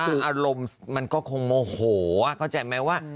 คืออารมณ์มันก็คงโมโหเข้าใจไหมว่า